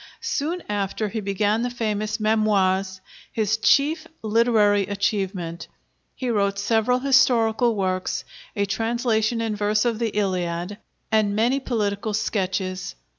Soon after, he began the famous 'Memoires,' his chief literary achievement. He wrote several historical works, a translation in verse of the Iliad, and many political sketches.